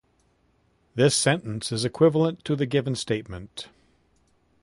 This sentence is equivalent to the given statement.